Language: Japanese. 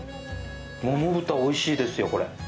桃豚、おいしいですよ、これ！